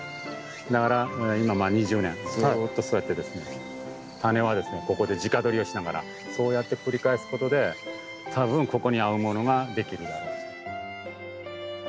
だから今まあ２０年ずっとそうやってですねタネはここで直どりをしながらそうやって繰り返すことでたぶんここに合うものが出来るだろうと。